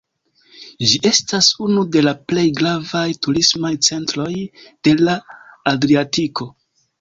Ĝi estas unu de la plej gravaj turismaj centroj de la Adriatiko.